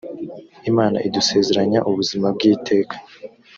imana idusezeranya ubuzima bw’iteka